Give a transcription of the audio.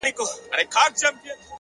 مثبت لید خنډونه کوچني کوي،